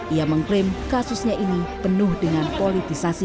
ia mengklaim kasusnya ini penuh dengan politisasi